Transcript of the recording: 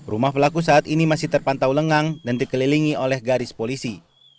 rumah pelaku saat ini masih terpantau lengang dan dikelilingi oleh garis polisi